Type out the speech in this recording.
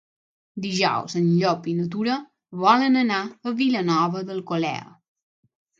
Dijous en Llop i na Tura volen anar a Vilanova d'Alcolea.